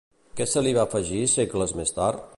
Què se li va afegir segles més tard?